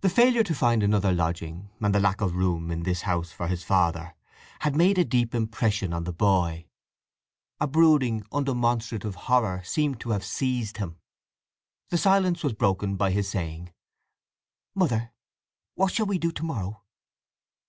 The failure to find another lodging, and the lack of room in this house for his father, had made a deep impression on the boy—a brooding undemonstrative horror seemed to have seized him. The silence was broken by his saying: "Mother, what shall we do to morrow!"